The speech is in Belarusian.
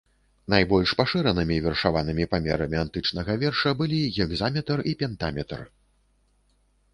Найбольш пашыранымі вершаванымі памерамі антычнага верша былі гекзаметр і пентаметр.